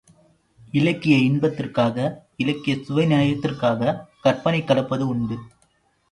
இலக்கிய இன்பத்திற்காக இலக்கியச் சுவை நயத்திற்காகக் கற்பனை கலப்பது உண்டு.